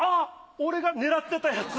俺が狙ってたやつ！